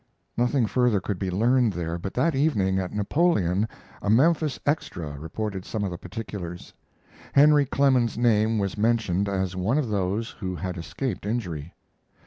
Nothing further could be learned there, but that evening at Napoleon a Memphis extra reported some of the particulars. Henry Clemens's name was mentioned as one of those, who had escaped injury.